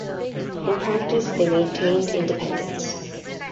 In practice they maintained independence.